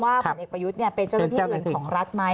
ผลเอกประยุทธ์เป็นเจ้าหน้าที่อื่นของรัฐไหม